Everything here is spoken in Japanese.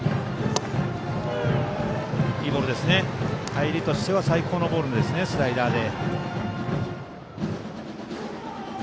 入りとしては最高のボールです、スライダーで。